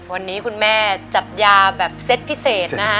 วันนี้คุณแม่จับยาแบบเซ็ตพิเศษนะฮะ